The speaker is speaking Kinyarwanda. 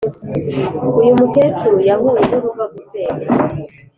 uyu mukecuru yahuye n’uruva gusenya